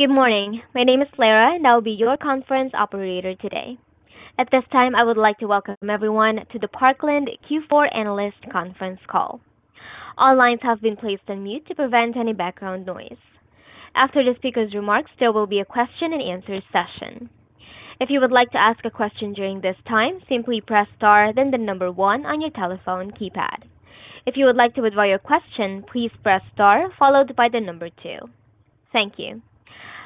Good morning, my name is Lara and I'll be your conference operator today. At this time I would like to welcome everyone to the Parkland Q4 analyst conference call. All lines have been placed on mute to prevent any background noise. After the speaker's remarks there will be a question and answer session. If you would like to ask a question during this time simply press star then the number 1 on your telephone keypad. If you would like to withdraw your question please press star followed by the number 2. Thank you.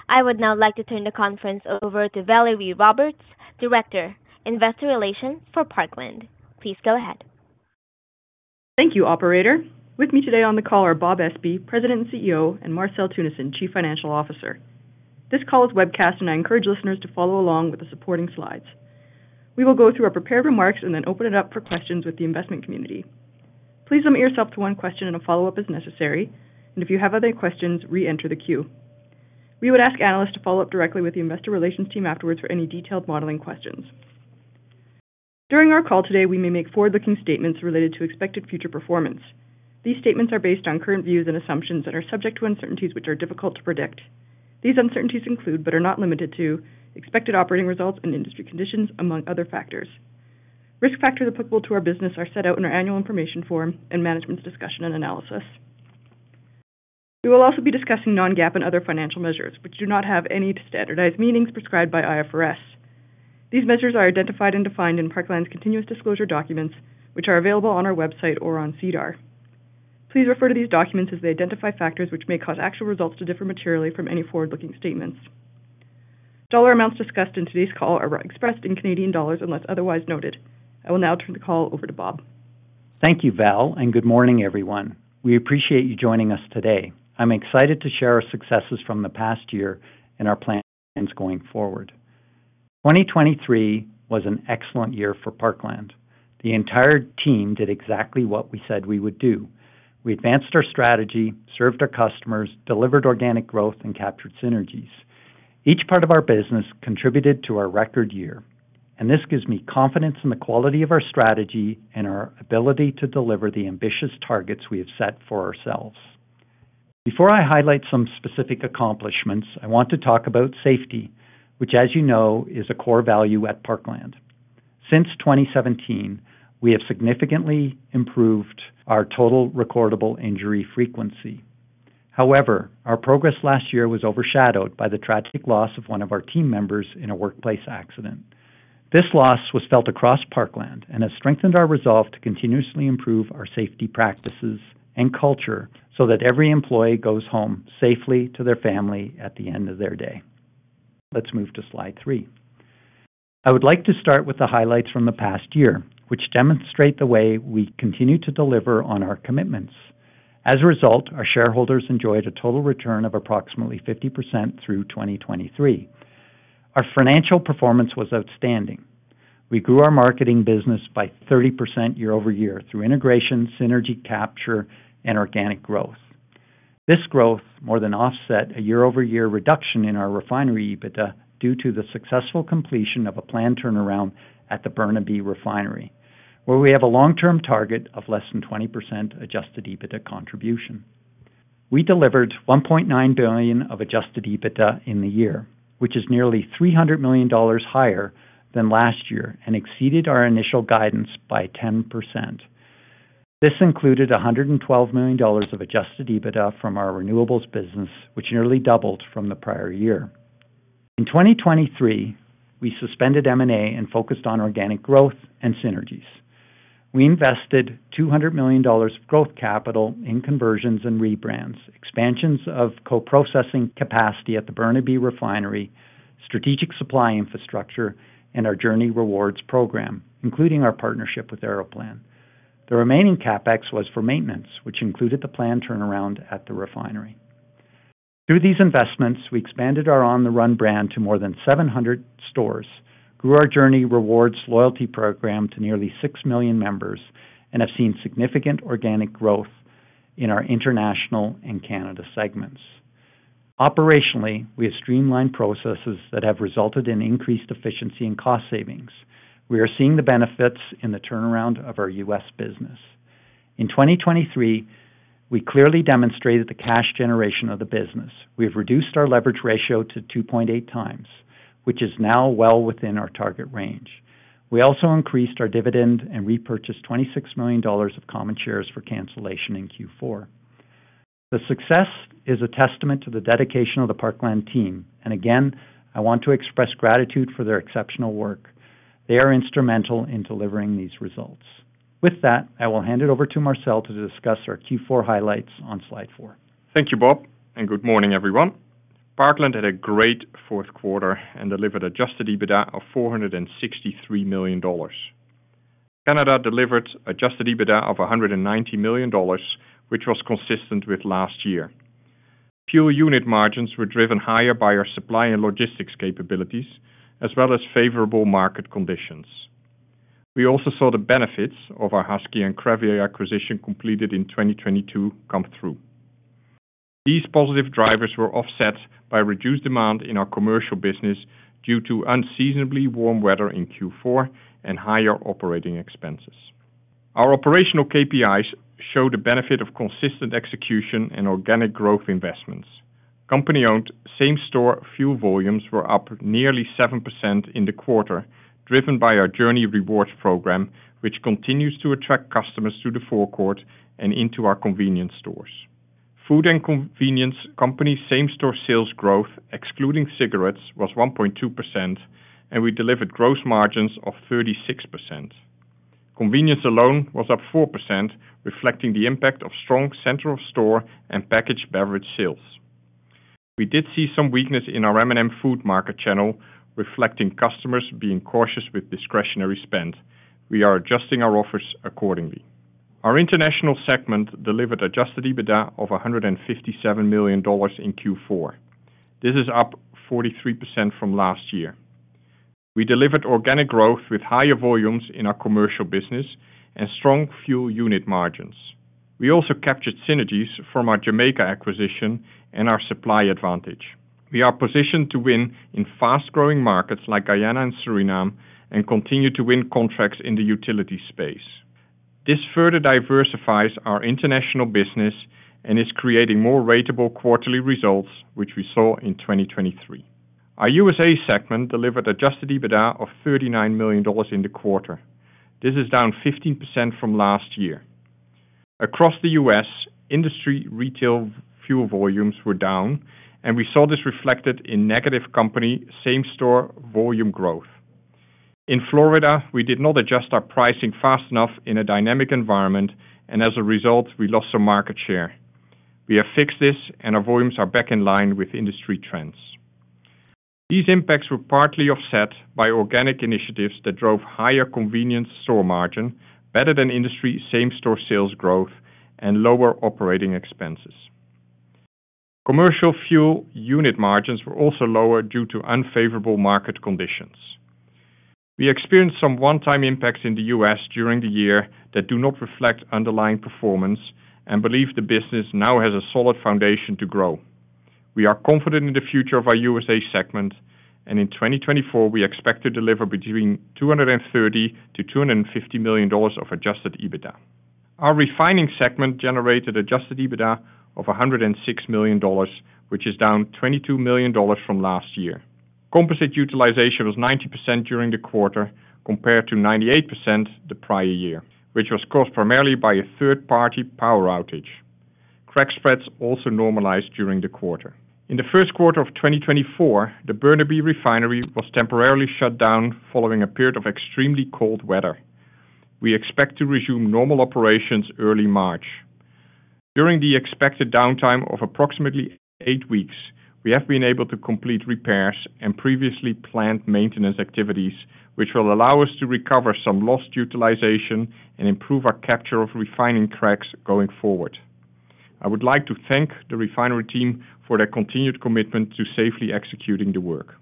I would now like to turn the conference over to Valerie Roberts, Director, Investor Relations for Parkland. Please go ahead. Thank you operator. With me today on the call are Bob Espey, President and CEO, and Marcel Teunissen, Chief Financial Officer. This call is webcast and I encourage listeners to follow along with the supporting slides. We will go through our prepared remarks and then open it up for questions with the investment community. Please limit yourself to one question and a follow-up as necessary, and if you have other questions re-enter the queue. We would ask analysts to follow up directly with the Investor Relations team afterwards for any detailed modeling questions. During our call today we may make forward-looking statements related to expected future performance. These statements are based on current views and assumptions and are subject to uncertainties which are difficult to predict. These uncertainties include but are not limited to expected operating results and industry conditions among other factors. Risk factors applicable to our business are set out in our annual information form and management's discussion and analysis. We will also be discussing non-GAAP and other financial measures which do not have any standardized meanings prescribed by IFRS. These measures are identified and defined in Parkland's continuous disclosure documents which are available on our website or on CDAR. Please refer to these documents as they identify factors which may cause actual results to differ materially from any forward-looking statements. Dollar amounts discussed in today's call are expressed in Canadian dollars unless otherwise noted. I will now turn the call over to Bob. Thank you, Val, and good morning, everyone. We appreciate you joining us today. I'm excited to share our successes from the past year and our plans going forward. 2023 was an excellent year for Parkland. The entire team did exactly what we said we would do. We advanced our strategy, served our customers, delivered organic growth, and captured synergies. Each part of our business contributed to our record year, and this gives me confidence in the quality of our strategy and our ability to deliver the ambitious targets we have set for ourselves. Before I highlight some specific accomplishments, I want to talk about safety, which, as you know, is a core value at Parkland. Since 2017, we have significantly improved our Total Recordable Injury Frequency. However, our progress last year was overshadowed by the tragic loss of one of our team members in a workplace accident. This loss was felt across Parkland and has strengthened our resolve to continuously improve our safety practices and culture so that every employee goes home safely to their family at the end of their day. Let's move to slide 3. I would like to start with the highlights from the past year which demonstrate the way we continue to deliver on our commitments. As a result, our shareholders enjoyed a total return of approximately 50% through 2023. Our financial performance was outstanding. We grew our marketing business by 30% year-over-year through integration, synergy capture, and organic growth. This growth more than offset a year-over-year reduction in our refinery EBITDA due to the successful completion of a planned turnaround at the Burnaby refinery where we have a long-term target of less than 20% adjusted EBITDA contribution. We delivered 1.9 billion of Adjusted EBITDA in the year which is nearly 300 million dollars higher than last year and exceeded our initial guidance by 10%. This included 112 million dollars of Adjusted EBITDA from our renewables business which nearly doubled from the prior year. In 2023 we suspended M&A and focused on organic growth and synergies. We invested 200 million dollars of growth capital in conversions and rebrands, expansions of co-processing capacity at the Burnaby refinery, strategic supply infrastructure, and our JOURNIE Rewards program including our partnership with Aeroplan. The remaining CapEx was for maintenance which included the planned turnaround at the refinery. Through these investments we expanded our ON the RUN brand to more than 700 stores, grew our JOURNIE Rewards loyalty program to nearly 6 million members, and have seen significant organic growth in our international and Canada segments. Operationally we have streamlined processes that have resulted in increased efficiency and cost savings. We are seeing the benefits in the turnaround of our U.S. business. In 2023 we clearly demonstrated the cash generation of the business. We have reduced our leverage ratio to 2.8 times which is now well within our target range. We also increased our dividend and repurchased 26 million dollars of common shares for cancellation in Q4. The success is a testament to the dedication of the Parkland team and again I want to express gratitude for their exceptional work. They are instrumental in delivering these results. With that I will hand it over to Marcel to discuss our Q4 highlights on slide 4. Thank you, Bob, and good morning, everyone. Parkland had a great fourth quarter and delivered Adjusted EBITDA of 463 million dollars. Canada delivered Adjusted EBITDA of 190 million dollars which was consistent with last year. Fuel unit margins were driven higher by our supply and logistics capabilities as well as favorable market conditions. We also saw the benefits of our Husky and Crevier acquisition completed in 2022 come through. These positive drivers were offset by reduced demand in our commercial business due to unseasonably warm weather in Q4 and higher operating expenses. Our operational KPIs showed the benefit of consistent execution and organic growth investments. Company-owned same-store fuel volumes were up nearly 7% in the quarter driven by our JOURNIE Rewards program which continues to attract customers to the forecourt and into our convenience stores. Food and convenience. Company same-store sales growth excluding cigarettes was 1.2% and we delivered gross margins of 36%. Convenience alone was up 4% reflecting the impact of strong central store and packaged beverage sales. We did see some weakness in our M&M Food Market channel reflecting customers being cautious with discretionary spend. We are adjusting our offers accordingly. Our international segment delivered adjusted EBITDA of 157 million dollars in Q4. This is up 43% from last year. We delivered organic growth with higher volumes in our commercial business and strong fuel unit margins. We also captured synergies from our Jamaica acquisition and our supply advantage. We are positioned to win in fast-growing markets like Guyana and Suriname and continue to win contracts in the utility space. This further diversifies our international business and is creating more ratable quarterly results which we saw in 2023. Our U.S. segment delivered Adjusted EBITDA of $39 million in the quarter. This is down 15% from last year. Across the U.S. industry retail fuel volumes were down and we saw this reflected in negative company Same Store volume growth. In Florida we did not adjust our pricing fast enough in a dynamic environment and as a result we lost some market share. We have fixed this and our volumes are back in line with industry trends. These impacts were partly offset by organic initiatives that drove higher convenience store margin, better than industry Same Store sales growth, and lower operating expenses. Commercial fuel unit margins were also lower due to unfavorable market conditions. We experienced some one-time impacts in the U.S. during the year that do not reflect underlying performance and believe the business now has a solid foundation to grow. We are confident in the future of our USA segment and in 2024 we expect to deliver between 230-250 million dollars of Adjusted EBITDA. Our refining segment generated Adjusted EBITDA of 106 million dollars which is down 22 million dollars from last year. Composite Utilization was 90% during the quarter compared to 98% the prior year which was caused primarily by a third-party power outage. Crack spreads also normalized during the quarter. In the first quarter of 2024, the Burnaby Refinery was temporarily shut down following a period of extremely cold weather. We expect to resume normal operations early March. During the expected downtime of approximately eight weeks, we have been able to complete repairs and previously planned maintenance activities which will allow us to recover some lost utilization and improve our capture of refining cracks going forward. I would like to thank the refinery team for their continued commitment to safely executing the work.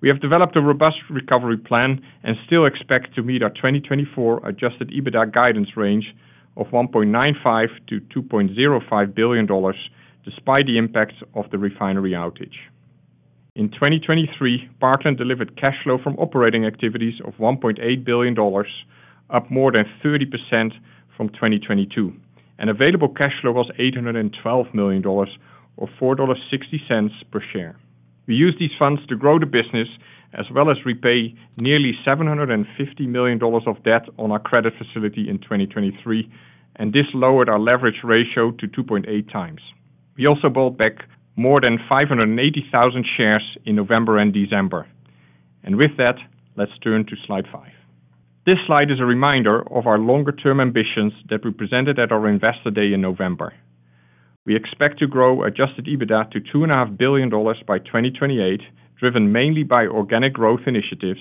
We have developed a robust recovery plan and still expect to meet our 2024 Adjusted EBITDA guidance range of 1.95 billion-2.05 billion dollars despite the impacts of the refinery outage. In 2023 Parkland delivered cash flow from operating activities of 1.8 billion dollars up more than 30% from 2022 and available cash flow was 812 million dollars or 4.60 dollars per share. We used these funds to grow the business as well as repay nearly 750 million dollars of debt on our credit facility in 2023 and this lowered our leverage ratio to 2.8 times. We also bought back more than 580,000 shares in November and December. With that let's turn to slide 5. This slide is a reminder of our longer-term ambitions that we presented at our investor day in November. We expect to grow Adjusted EBITDA to 2.5 billion dollars by 2028 driven mainly by organic growth initiatives,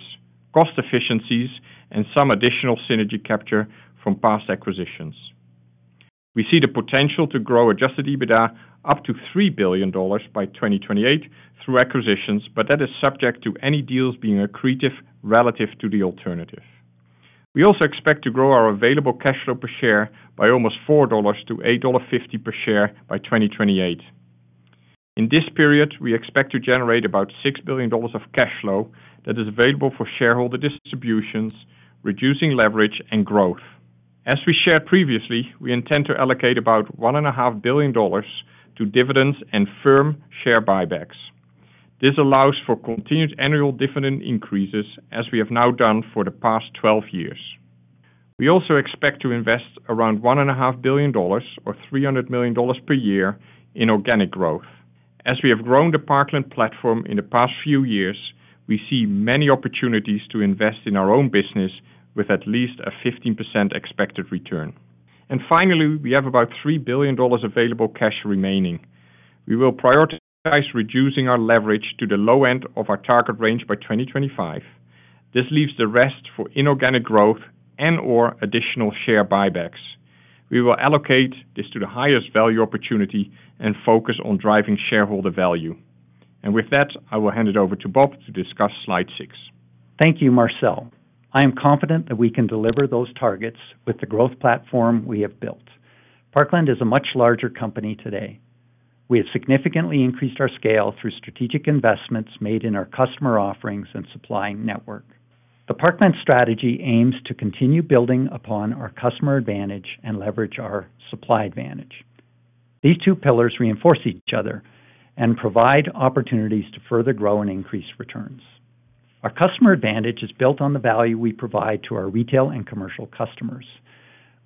cost efficiencies, and some additional synergy capture from past acquisitions. We see the potential to grow Adjusted EBITDA up to 3 billion dollars by 2028 through acquisitions but that is subject to any deals being accretive relative to the alternative. We also expect to grow our Available Cash Flow per share by almost 4 dollars to 8.50 dollar per share by 2028. In this period we expect to generate about 6 billion dollars of cash flow that is available for shareholder distributions, reducing leverage, and growth. As we shared previously we intend to allocate about 1.5 billion dollars to dividends and firm share buybacks. This allows for continued annual dividend increases as we have now done for the past 12 years. We also expect to invest around 1.5 billion dollars or 300 million dollars per year in organic growth. As we have grown the Parkland platform in the past few years we see many opportunities to invest in our own business with at least a 15% expected return. Finally we have about 3 billion dollars available cash remaining. We will prioritize reducing our leverage to the low end of our target range by 2025. This leaves the rest for inorganic growth and/or additional share buybacks. We will allocate this to the highest value opportunity and focus on driving shareholder value. With that I will hand it over to Bob to discuss slide 6. Thank you Marcel. I am confident that we can deliver those targets with the growth platform we have built. Parkland is a much larger company today. We have significantly increased our scale through strategic investments made in our customer offerings and supplying network. The Parkland strategy aims to continue building upon our customer advantage and leverage our supply advantage. These two pillars reinforce each other and provide opportunities to further grow and increase returns. Our customer advantage is built on the value we provide to our retail and commercial customers.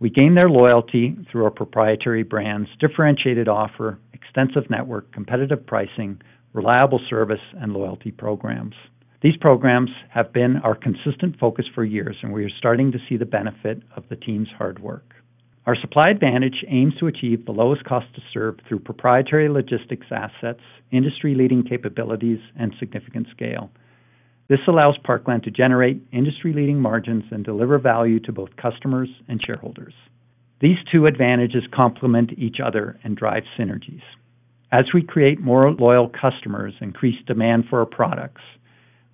We gain their loyalty through our proprietary brand's differentiated offer, extensive network, competitive pricing, reliable service, and loyalty programs. These programs have been our consistent focus for years and we are starting to see the benefit of the team's hard work. Our supply advantage aims to achieve the lowest cost to serve through proprietary logistics assets, industry-leading capabilities, and significant scale. This allows Parkland to generate industry-leading margins and deliver value to both customers and shareholders. These two advantages complement each other and drive synergies. As we create more loyal customers and increase demand for our products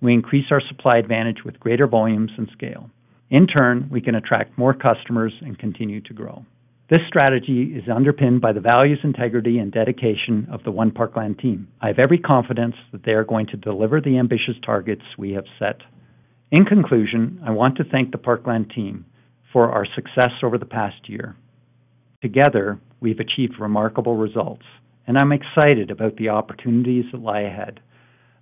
we increase our supply advantage with greater volumes and scale. In turn we can attract more customers and continue to grow. This strategy is underpinned by the values, integrity, and dedication of the One Parkland team. I have every confidence that they are going to deliver the ambitious targets we have set. In conclusion I want to thank the Parkland team for our success over the past year. Together we've achieved remarkable results and I'm excited about the opportunities that lie ahead.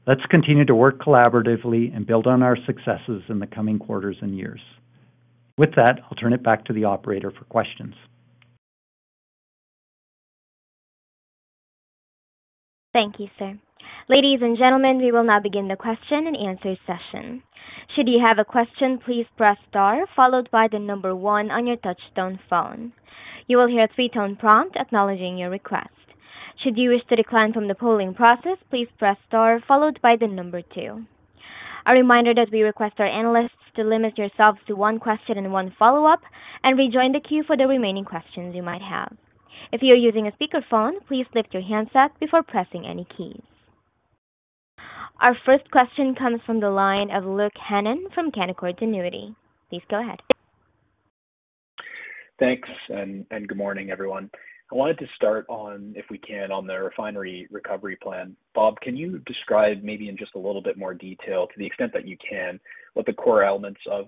Let's continue to work collaboratively and build on our successes in the coming quarters and years. With that I'll turn it back to the operator for questions. Thank you, sir. Ladies and gentlemen, we will now begin the question and answer session. Should you have a question, please press star followed by the number one on your touch-tone phone. You will hear a three-tone prompt acknowledging your request. Should you wish to decline from the polling process, please press star followed by the number two. A reminder that we request our analysts to limit yourselves to one question and one follow-up and rejoin the queue for the remaining questions you might have. If you are using a speakerphone, please lift your handset before pressing any keys. Our first question comes from the line of Luke Hannan from Canaccord Genuity. Please go ahead. Thanks and good morning, everyone. I wanted to start on if we can on the refinery recovery plan. Bob, can you describe maybe in just a little bit more detail to the extent that you can what the core elements of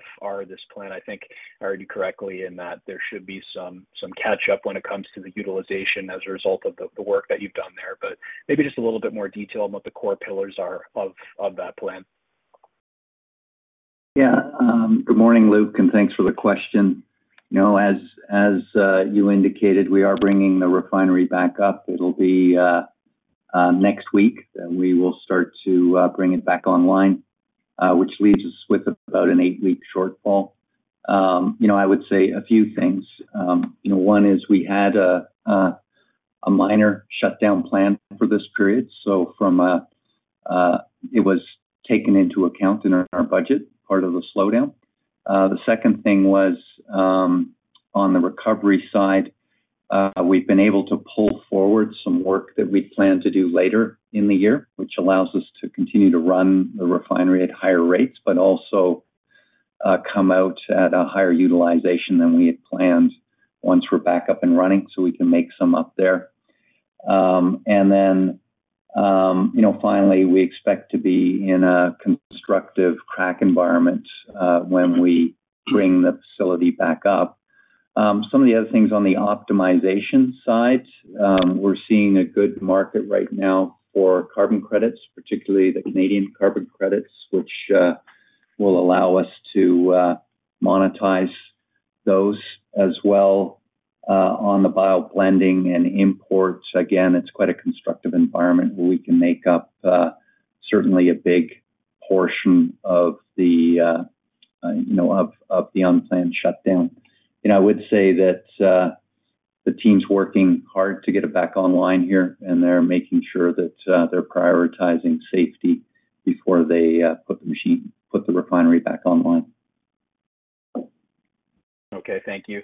this plan are? I think I heard you correctly in that there should be some catch-up when it comes to the utilization as a result of the work that you've done there. But maybe just a little bit more detail on what the core pillars are of that plan. Yeah. Good morning, Luke, and thanks for the question. As you indicated, we are bringing the refinery back up. It'll be next week that we will start to bring it back online, which leaves us with about an 8-week shortfall. I would say a few things. One is we had a minor shutdown plan for this period so it was taken into account in our budget part of the slowdown. The second thing was on the recovery side we've been able to pull forward some work that we'd planned to do later in the year which allows us to continue to run the refinery at higher rates but also come out at a higher utilization than we had planned once we're back up and running so we can make some up there. And then finally we expect to be in a constructive crack environment when we bring the facility back up. Some of the other things on the optimization side, we're seeing a good market right now for carbon credits, particularly the Canadian carbon credits, which will allow us to monetize those as well on the bioblending and import. Again, it's quite a constructive environment where we can make up certainly a big portion of the unplanned shutdown. I would say that the team's working hard to get it back online here and they're making sure that they're prioritizing safety before they put the refinery back online. Okay. Thank you.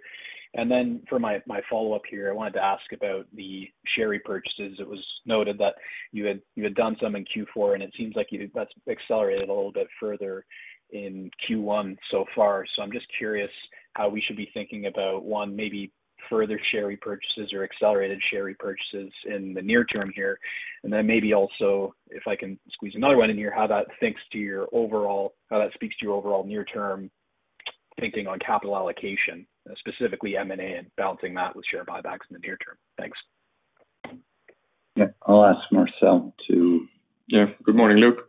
And then for my follow-up here, I wanted to ask about the share repurchases. It was noted that you had done some in Q4, and it seems like that's accelerated a little bit further in Q1 so far. So I'm just curious how we should be thinking about one, maybe further share repurchases or accelerated share repurchases in the near term here. And then maybe also if I can squeeze another one in here, how that speaks to your overall near-term thinking on capital allocation, specifically M&A and balancing that with share buybacks in the near term. Thanks. Yeah. I'll ask Marcel to. Yeah. Good morning, Luke.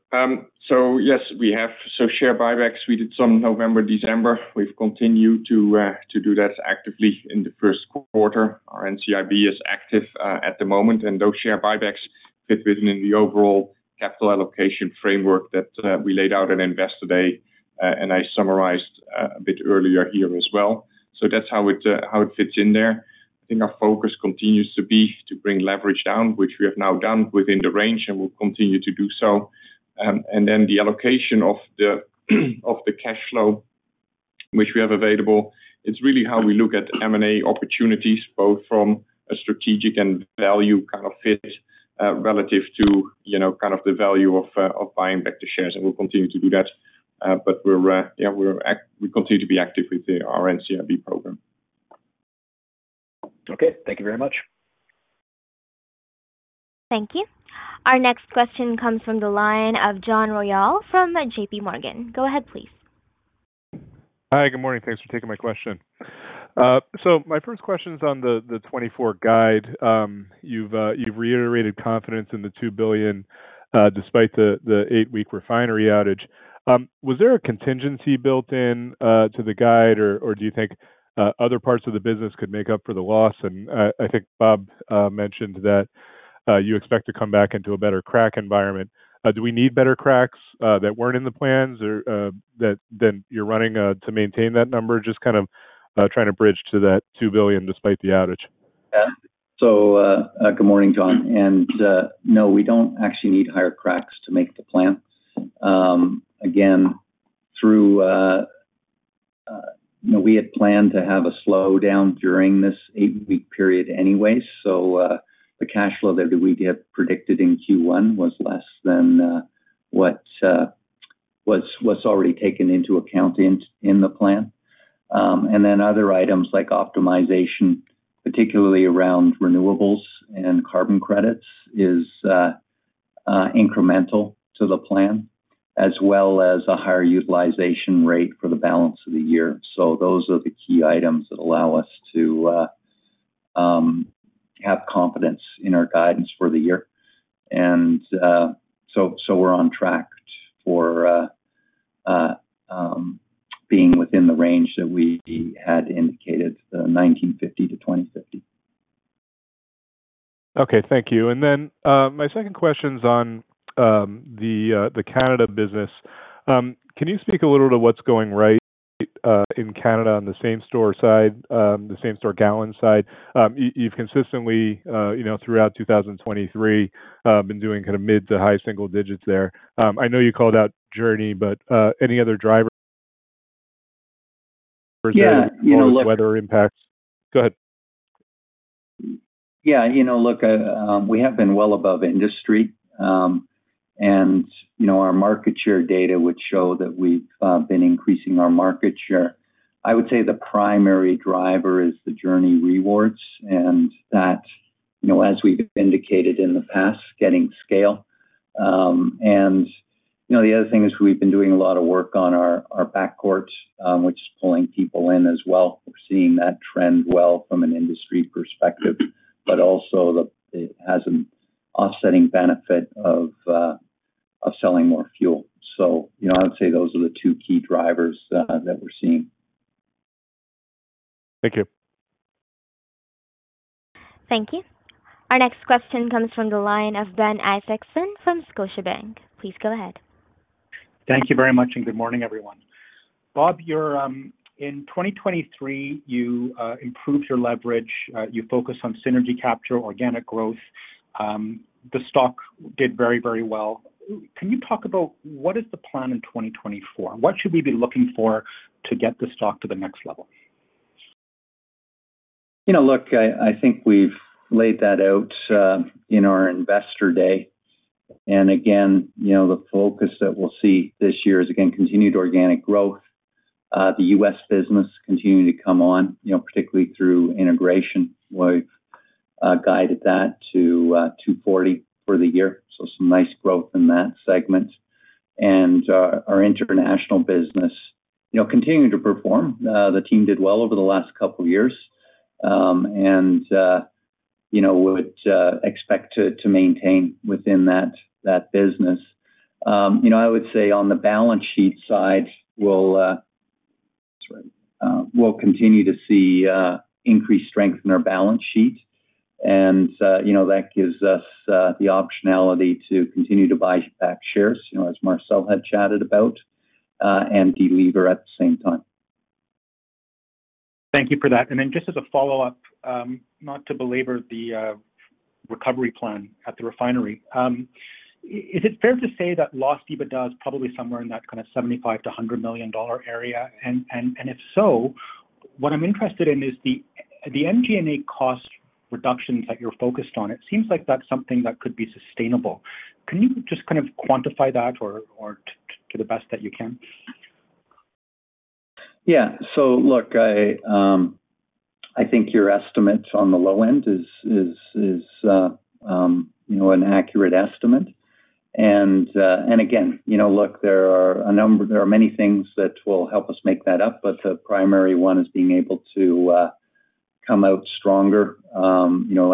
So yes, we have so share buybacks we did some November, December. We've continued to do that actively in the first quarter. Our NCIB is active at the moment, and those share buybacks fit within the overall capital allocation framework that we laid out at investor day, and I summarized a bit earlier here as well. So that's how it fits in there. I think our focus continues to be to bring leverage down, which we have now done within the range, and we'll continue to do so. And then the allocation of the cash flow which we have available, it's really how we look at M&A opportunities both from a strategic and value kind of fit relative to kind of the value of buying back the shares, and we'll continue to do that. But yeah, we continue to be active with our NCIB program. Okay. Thank you very much. Thank you. Our next question comes from the line of John Royall from JP Morgan. Go ahead, please. Hi. Good morning. Thanks for taking my question. So my first question is on the 2024 guide. You've reiterated confidence in the 2 billion despite the 8-week refinery outage. Was there a contingency built in to the guide or do you think other parts of the business could make up for the loss? And I think Bob mentioned that you expect to come back into a better crack environment. Do we need better cracks that weren't in the plans or that then you're running to maintain that number just kind of trying to bridge to that 2 billion despite the outage? Yeah. So good morning John. And no we don't actually need higher cracks to make the plan. Again though we had planned to have a slowdown during this 8-week period anyway so the cash flow that we had predicted in Q1 was less than what was already taken into account in the plan. And then other items like optimization particularly around renewables and carbon credits is incremental to the plan as well as a higher utilization rate for the balance of the year. So those are the key items that allow us to have confidence in our guidance for the year. And so we're on track for being within the range that we had indicated the 1,950-2,050. Okay. Thank you. And then my second question is on the Canada business. Can you speak a little to what's going right in Canada on the same-store side, the same-store gallon side? You've consistently throughout 2023 been doing kind of mid to high single digits there. I know you called out JOURNIE but any other drivers or weather impacts? Go ahead. Yeah. Look, we have been well above industry, and our market share data would show that we've been increasing our market share. I would say the primary driver is the JOURNIE Rewards, and that, as we've indicated in the past, getting scale. And the other thing is we've been doing a lot of work on our back court, which is pulling people in as well. We're seeing that trend well from an industry perspective, but also it has an offsetting benefit of selling more fuel. So I would say those are the two key drivers that we're seeing. Thank you. Thank you. Our next question comes from the line of Ben Isaacson from Scotiabank. Please go ahead. Thank you very much and good morning everyone. Bob, in 2023 you improved your leverage. You focused on synergy capture, organic growth. The stock did very, very well. Can you talk about what is the plan in 2024? What should we be looking for to get the stock to the next level? Look, I think we've laid that out in our investor day. And again, the focus that we'll see this year is again continued organic growth. The U.S. business continuing to come on, particularly through integration. We've guided that to 240 for the year. So some nice growth in that segment. And our international business continuing to perform. The team did well over the last couple of years and would expect to maintain within that business. I would say on the balance sheet side we'll continue to see increased strength in our balance sheet and that gives us the optionality to continue to buy back shares as Marcel had chatted about and deliver at the same time. Thank you for that. And then just as a follow-up not to belabor the recovery plan at the refinery. Is it fair to say that lost EBITDA is probably somewhere in that kind of 75 million-100 million dollar area? And if so what I'm interested in is the MG&A cost reductions that you're focused on. It seems like that's something that could be sustainable. Can you just kind of quantify that or to the best that you can? Yeah. So look, I think your estimate on the low end is an accurate estimate. And again look, there are many things that will help us make that up, but the primary one is being able to come out stronger.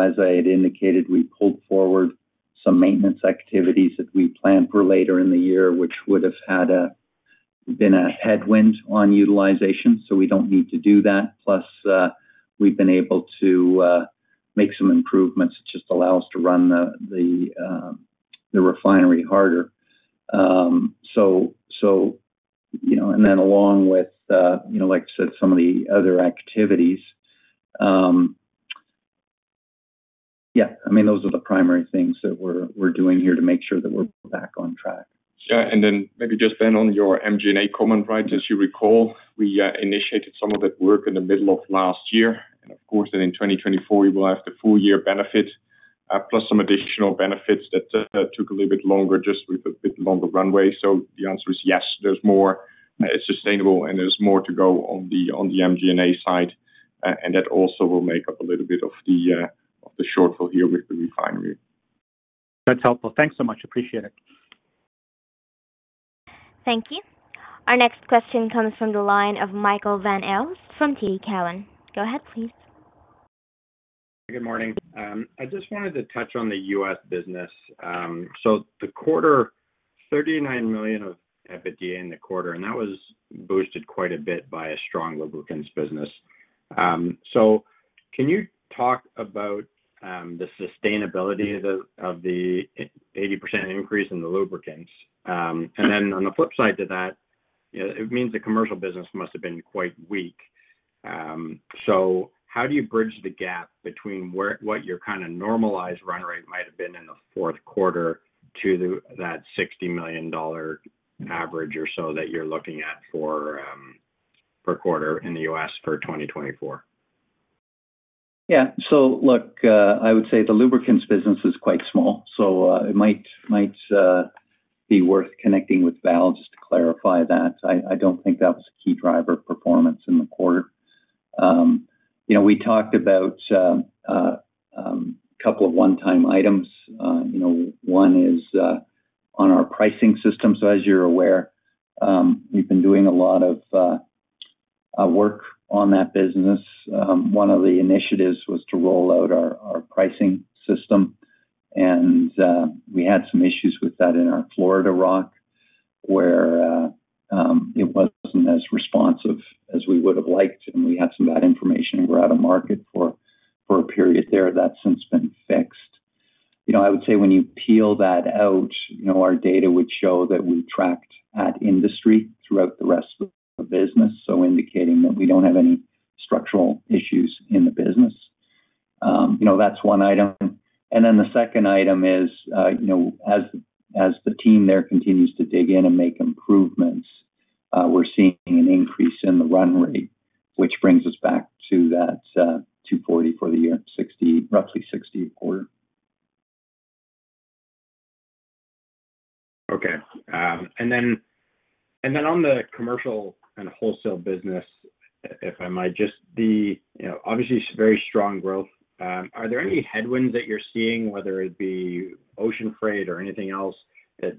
As I had indicated, we pulled forward some maintenance activities that we planned for later in the year, which would have had been a headwind on utilization, so we don't need to do that. Plus we've been able to make some improvements. It just allows us to run the refinery harder. So and then along with like I said some of the other activities, yeah. I mean those are the primary things that we're doing here to make sure that we're back on track. Yeah. And then maybe just then on your MG&A comment, right? As you recall, we initiated some of that work in the middle of last year, and of course then in 2024 you will have the full-year benefit plus some additional benefits that took a little bit longer, just with a bit longer runway. So the answer is yes, there's more. It's sustainable and there's more to go on the MG&A side, and that also will make up a little bit of the shortfall here with the refinery. That's helpful. Thanks so much. Appreciate it. Thank you. Our next question comes from the line of Michael Van Aelst from TD Cowen. Go ahead please. Good morning. I just wanted to touch on the U.S. business. So the quarter $39 million of EBITDA in the quarter and that was boosted quite a bit by a strong lubricants business. So can you talk about the sustainability of the 80% increase in the lubricants? And then on the flip side to that it means the commercial business must have been quite weak. So how do you bridge the gap between what your kind of normalized run rate might have been in the fourth quarter to that $60 million average or so that you're looking at per quarter in the U.S. for 2024? Yeah. So look, I would say the lubricants business is quite small, so it might be worth connecting with Val just to clarify that. I don't think that was a key driver of performance in the quarter. We talked about a couple of one-time items. One is on our pricing system. So as you're aware, we've been doing a lot of work on that business. One of the initiatives was to roll out our pricing system, and we had some issues with that in our Florida market where it wasn't as responsive as we would have liked, and we had some bad information and we're out of market for a period there. That's since been fixed. I would say, when you peel that out, our data would show that we tracked at industry throughout the rest of the business, so indicating that we don't have any structural issues in the business. That's one item. And then the second item is, as the team there continues to dig in and make improvements, we're seeing an increase in the run rate, which brings us back to that 240 for the year, roughly 60 a quarter. Okay. And then on the commercial and wholesale business, if I might, just the obviously very strong growth. Are there any headwinds that you're seeing, whether it be ocean freight or anything else that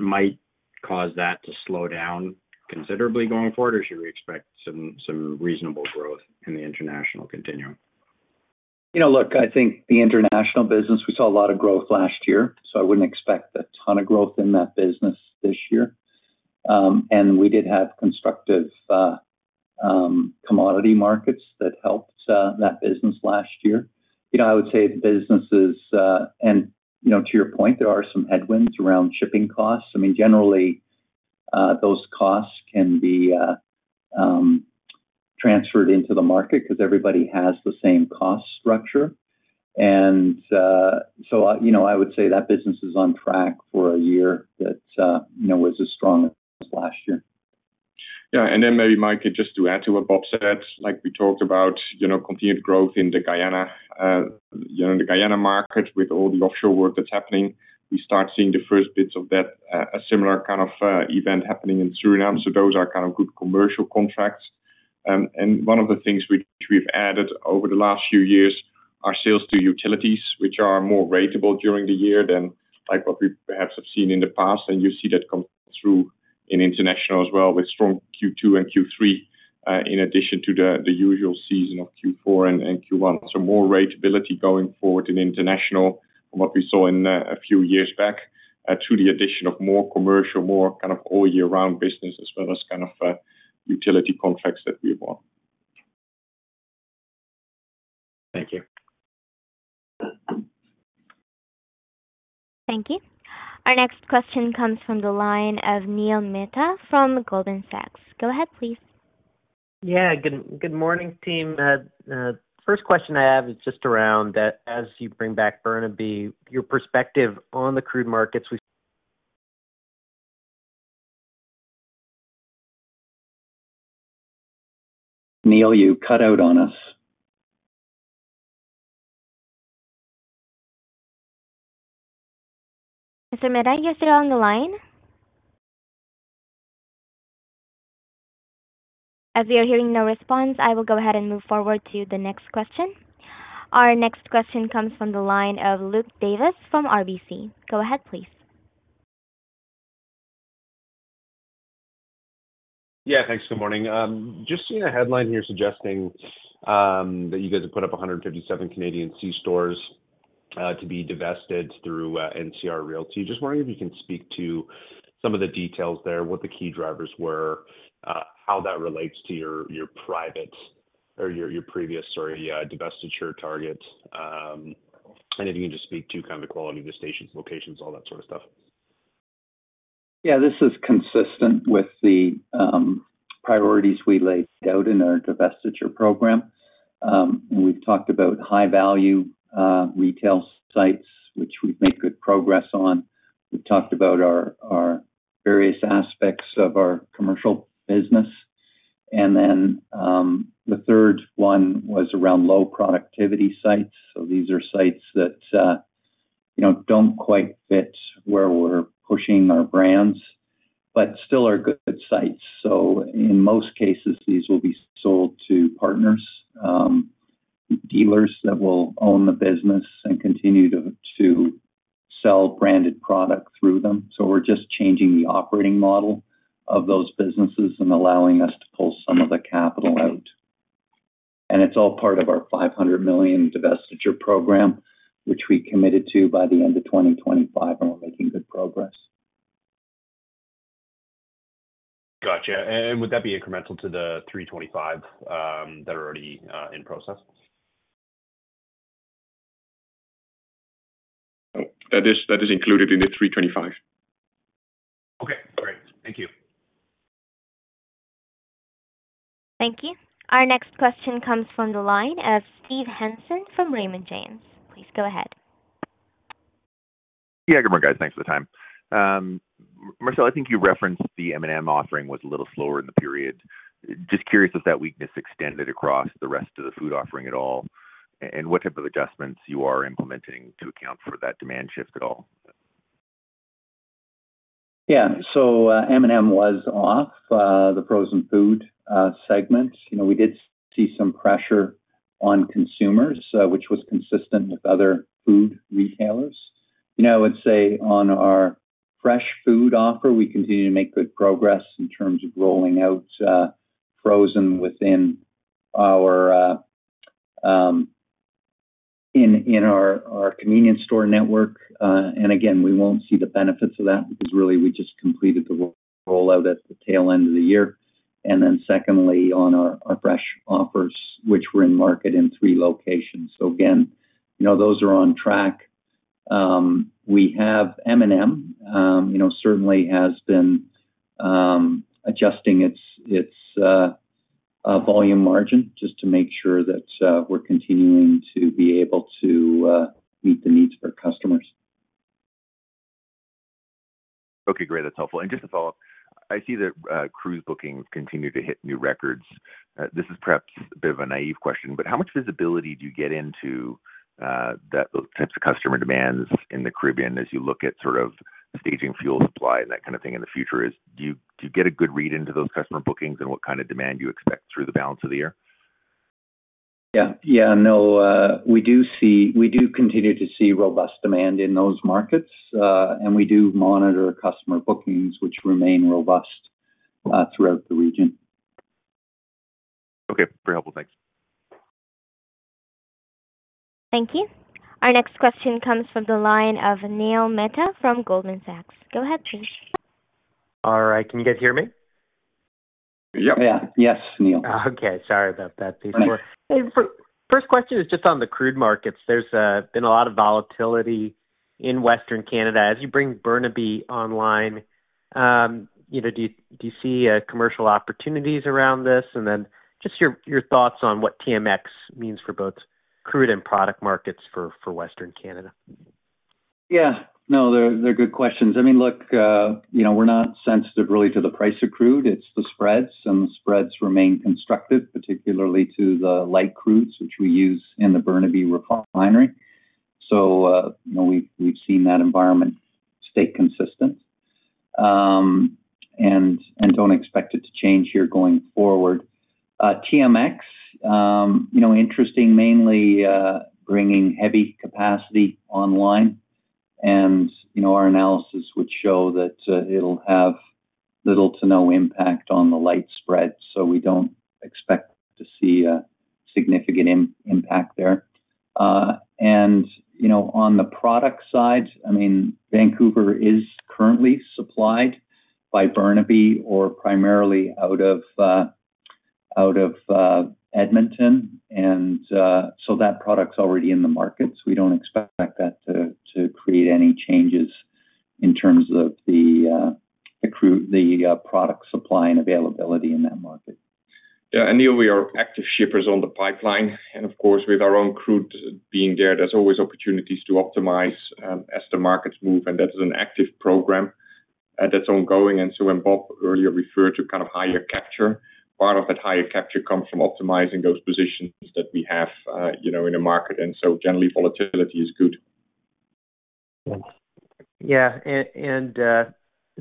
might cause that to slow down considerably going forward, or should we expect some reasonable growth in the international continuum? Look, I think the international business. We saw a lot of growth last year, so I wouldn't expect a ton of growth in that business this year. We did have constructive commodity markets that helped that business last year. I would say the business is, and to your point, there are some headwinds around shipping costs. I mean, generally, those costs can be transferred into the market because everybody has the same cost structure. And so I would say that business is on track for a year that was as strong as last year. Yeah. And then maybe Mike could just add to what Bob said. Like we talked about continued growth in the Guyana market with all the offshore work that's happening. We start seeing the first bits of that, a similar kind of event happening in Suriname. So those are kind of good commercial contracts. And one of the things which we've added over the last few years are sales to utilities which are more ratable during the year than what we perhaps have seen in the past, and you see that come through in international as well with strong Q2 and Q3 in addition to the usual season of Q4 and Q1. So more ratability going forward in international from what we saw in a few years back through the addition of more commercial, more kind of all year-round business as well as kind of utility contracts that we have bought. Thank you. Thank you. Our next question comes from the line of Neil Mehta from Goldman Sachs. Go ahead, please. Yeah. Good morning, team. First question I have is just around that, as you bring back Burnaby, your perspective on the crude markets? Neil, you cut out on us. Mr. Mehta, you're still on the line. As we are hearing no response, I will go ahead and move forward to the next question. Our next question comes from the line of Luke Davis from RBC. Go ahead, please. Yeah. Thanks. Good morning. Just seeing a headline here suggesting that you guys have put up 157 Canadian C-stores to be divested through NCR Realty. Just wondering if you can speak to some of the details there, what the key drivers were, how that relates to your prior or your previous sorry divestiture target, and if you can just speak to kind of the quality of the stations, locations, all that sort of stuff. Yeah. This is consistent with the priorities we laid out in our divestiture program. We've talked about high-value retail sites which we've made good progress on. We've talked about our various aspects of our commercial business. And then the third one was around low productivity sites. So these are sites that don't quite fit where we're pushing our brands but still are good sites. So in most cases these will be sold to partners, dealers that will own the business and continue to sell branded product through them. So we're just changing the operating model of those businesses and allowing us to pull some of the capital out. And it's all part of our 500 million divestiture program which we committed to by the end of 2025 and we're making good progress. Gotcha. Would that be incremental to the 325 that are already in process? That is included in the 325. Okay. Great. Thank you. Thank you. Our next question comes from the line of Steve Hansen from Raymond James. Please go ahead. Yeah. Good morning guys. Thanks for the time. Marcel, I think you referenced the M&M offering was a little slower in the period. Just curious if that weakness extended across the rest of the food offering at all and what type of adjustments you are implementing to account for that demand shift at all? Yeah. So M&M was off the frozen food segment. We did see some pressure on consumers which was consistent with other food retailers. I would say on our fresh food offer we continue to make good progress in terms of rolling out frozen within our convenience store network. And again we won't see the benefits of that because really we just completed the rollout at the tail end of the year. And then secondly on our fresh offers which were in market in three locations. So again those are on track. We have M&M certainly has been adjusting its volume margin just to make sure that we're continuing to be able to meet the needs of our customers. Okay. Great. That's helpful. Just to follow up I see that cruise bookings continue to hit new records. This is perhaps a bit of a naive question but how much visibility do you get into those types of customer demands in the Caribbean as you look at sort of staging fuel supply and that kind of thing in the future? Do you get a good read into those customer bookings and what kind of demand you expect through the balance of the year? Yeah. Yeah. No. We do continue to see robust demand in those markets and we do monitor customer bookings which remain robust throughout the region. Okay. Very helpful. Thanks. Thank you. Our next question comes from the line of Neil Mehta from Goldman Sachs. Go ahead, please. All right. Can you guys hear me? Yep. Yeah. Yes, Neil. Okay. Sorry about that. First question is just on the crude markets. There's been a lot of volatility in Western Canada. As you bring Burnaby online, do you see commercial opportunities around this? And then just your thoughts on what TMX means for both crude and product markets for Western Canada. Yeah. No. They're good questions. I mean, look, we're not sensitive really to the price of crude. It's the spreads and the spreads remain constructive particularly to the light crudes which we use in the Burnaby Refinery. So we've seen that environment stay consistent and don't expect it to change here going forward. TMX interesting mainly bringing heavy capacity online and our analysis would show that it'll have little to no impact on the light spread so we don't expect to see a significant impact there. And on the product side I mean Vancouver is currently supplied by Burnaby or primarily out of Edmonton and so that product's already in the markets. We don't expect that to create any changes in terms of the product supply and availability in that market. Yeah. And, Neil, we are active shippers on the pipeline and, of course, with our own crude being there, there's always opportunities to optimize as the markets move. And that is an active program that's ongoing. And so, when Bob earlier referred to kind of higher capture, part of that higher capture comes from optimizing those positions that we have in a market. And so generally volatility is good. Yeah. And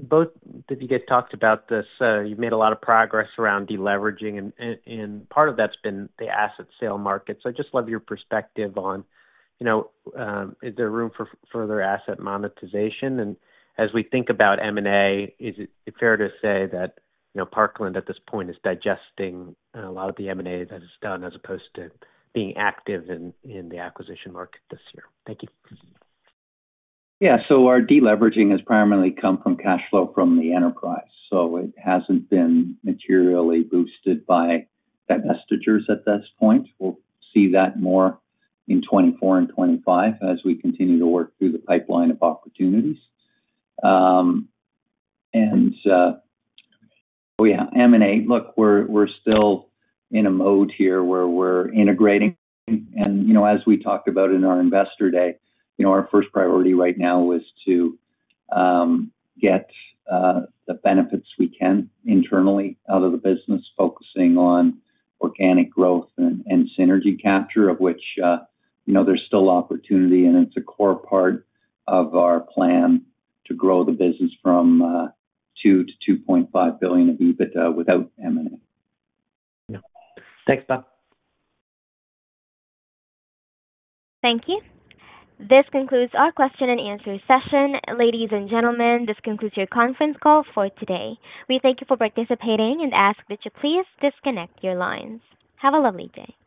both of you guys talked about this. You've made a lot of progress around deleveraging and part of that's been the asset sale markets. I'd just love your perspective on, is there room for further asset monetization? And as we think about M&A, is it fair to say that Parkland at this point is digesting a lot of the M&A that it's done as opposed to being active in the acquisition market this year? Thank you. Yeah. So our deleveraging has primarily come from cash flow from the enterprise so it hasn't been materially boosted by divestitures at this point. We'll see that more in 2024 and 2025 as we continue to work through the pipeline of opportunities. And oh yeah. M&A, look we're still in a mode here where we're integrating and as we talked about in our investor day our first priority right now was to get the benefits we can internally out of the business focusing on organic growth and synergy capture of which there's still opportunity and it's a core part of our plan to grow the business from 2 billion-2.5 billion of EBITDA without M&A. Yeah. Thanks Bob. Thank you. This concludes our question and answer session. Ladies and gentlemen, this concludes your conference call for today. We thank you for participating and ask that you please disconnect your lines. Have a lovely day.